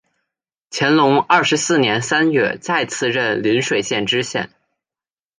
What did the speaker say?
乾隆二十四年三月再次任邻水县知县。